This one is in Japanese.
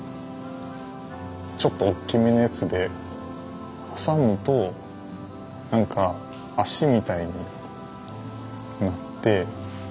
ちょっと大きめのやつで挟むと何か足みたいになって。